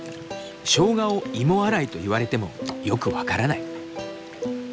しょうがを芋洗いと言われてもよく分からない。